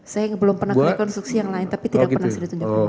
saya belum pernah rekonstruksi yang lain tapi tidak pernah sudah ditunjukkan